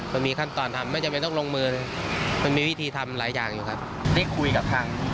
มันมีขั้นตอนทำไม่จำเป็นต้องลงมือมันมีวิธีทำหลายอย่างอยู่ครับได้คุยกับทาง